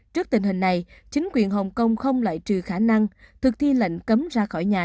trước tình hình này chính quyền hồng kông không loại trừ khả năng thực thi lệnh cấm ra khỏi nhà